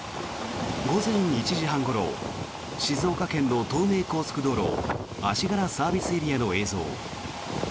午前１時半ごろ静岡県の東名高速道路足柄ＳＡの映像。